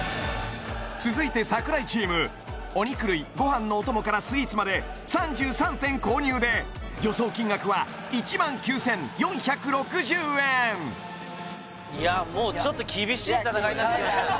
続いて櫻井チームお肉類ご飯のお供からスイーツまで３３点購入で予想金額は１９４６０円いやもうになってきましたね